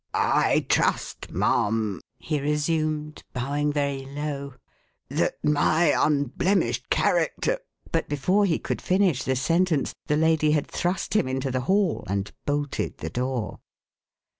"I trust, ma'am," he resumed, bowing very low, "that my unblemished character " but before he could finish the sentence the lady had thrust him into the hall and bolted the door.